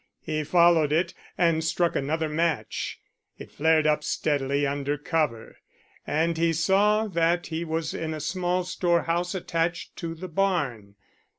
He followed it and struck another match. It flared up steadily under cover, and he saw that he was in a small storehouse attached to the barn.